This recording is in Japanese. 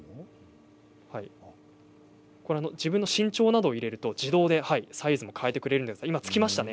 自分の身長などを入れると自動でサイズを変えてきます。